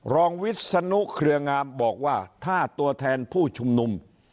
รองวิศนุเครืองามบอกว่าถ้าตัวแทนผู้ชุมนุม